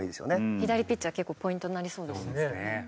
左ピッチャー結構ポイントになりそうですね。